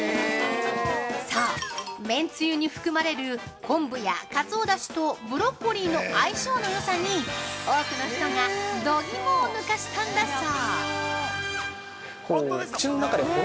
◆そう、麺つゆに含まれる昆布やカツオだしとブロッコリーの相性のよさに多くの人が度肝を抜かしたんだそう。